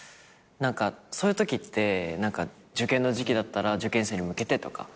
そういうときって受験の時期だったら受験生に向けてとか。